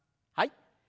はい。